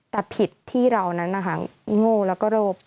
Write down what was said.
แต่ผิดที่เรานั้นนะคะโง่แล้วก็โรค